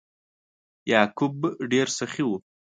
یعقوب ډیر سخي و.